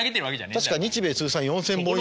確か日米通算４，０００本以上。